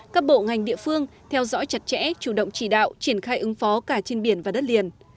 các bộ ngành địa phương theo dõi chặt chẽ chủ động chỉ đạo triển khai ứng phó cả trên biển và đất liền